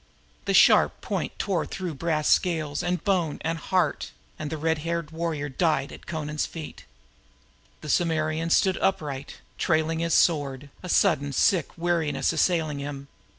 The sharp point drove through brass scales and bones and heart, and the red haired warrior died at Amra's feet. Amra stood swaying, trailing his sword, a sudden sick weariness assailing him.